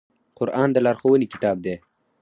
قرآن د لارښوونې کتاب دی